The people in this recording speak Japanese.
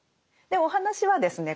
でお話はですね